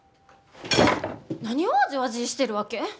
何をわじわじーしてるわけ？